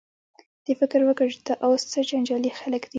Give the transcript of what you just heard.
دې فکر وکړ چې دا اوس څه جنجالي خلک دي.